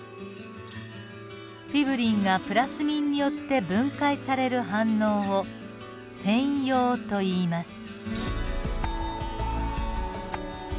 フィブリンがプラスミンによって分解される反応を線溶といいます。